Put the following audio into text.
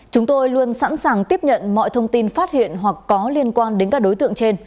chúng tôi luôn sẵn sàng tiếp nhận mọi thông tin phát hiện hoặc có liên quan đến các đối tượng trên